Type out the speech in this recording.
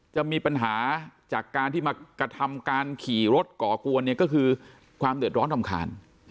จะมีปัญหาจากการที่มากระทำการขี่รถก่อกวนเนี่ยก็คือความเดือดร้อนรำคาญ